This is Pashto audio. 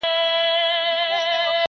o چيري ئې وهم، چيري ئې ږغ وزي٫